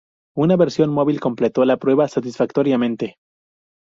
Una versión móvil completó la prueba satisfactoriamente.